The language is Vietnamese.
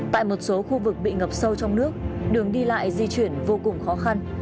tại một số khu vực bị ngập sâu trong nước đường đi lại di chuyển vô cùng khó khăn